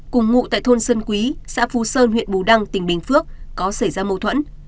cùng ngụ tại thôn sơn quý xã phú sơn huyện bù đăng tỉnh bình phước có xảy ra mâu thuẫn